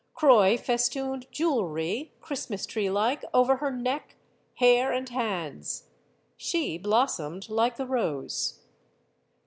Croix festooned jewelry, Christmas tree like, over her neck, hair, and hands. She blos somed like the rose.